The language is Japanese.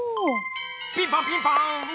ピンポンピンポン！